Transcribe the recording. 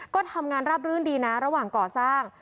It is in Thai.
ก็ทำงานราบรื่นดีนะระหว่างก่อสร้าง